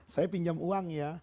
saya pinjam uang ya